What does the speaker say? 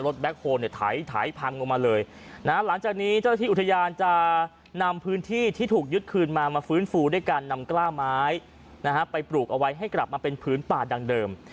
แบ็คโฮลเนี่ยไถพังลงมาเลยนะหลังจากนี้เจ้าหน้าที่อุทยานจะนำพื้นที่ที่ถูกยึดคืนมามาฟื้นฟูด้วยการนำกล้าไม้นะฮะไปปลูกเอาไว้ให้กลับมาเป็นพื้นป่าดังเดิม